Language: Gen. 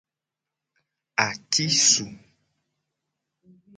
Atisu.